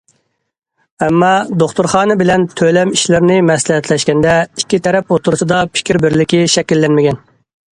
ئەمما، دوختۇرخانا بىلەن تۆلەم ئىشلىرىنى مەسلىھەتلەشكەندە، ئىككى تەرەپ ئوتتۇرىسىدا پىكىر بىرلىكى شەكىللەنمىگەن.